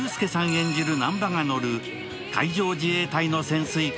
演じる南波が乗る海上自衛隊の潜水艦